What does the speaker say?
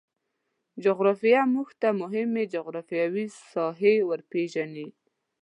جغرافیه موږ ته مهمې جغرفیاوې ساحې روپیژني